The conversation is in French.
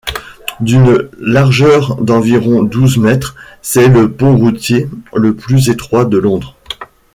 D'une largeur d'environ douze mètres, c'est le pont routier le plus étroit de Londres.